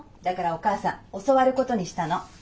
だからお母さん教わることにしたの。